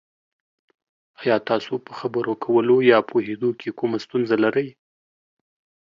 ایا تاسو په خبرو کولو یا پوهیدو کې کومه ستونزه لرئ؟